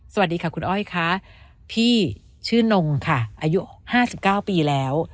สวัสดีค่ะคุณอ้อยค่ะพี่ชื่อนงค่ะอายุ๕๙ปีแล้ว